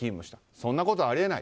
そんなことあり得ない。